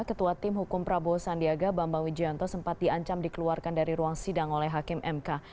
ketua tim hukum prabowo sandiaga bambang wijanto sempat diancam dikeluarkan dari ruang sidang oleh hakim mk